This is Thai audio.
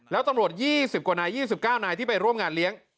แล้วตำรวจ๒๐กว่านาย๒๙นายที่ไปร่วมงานเลี้ยง